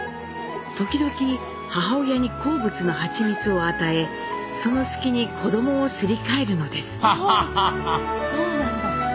時々母親に好物のハチミツを与えその隙に子どもをすり替えるのです。